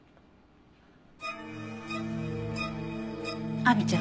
亜美ちゃん。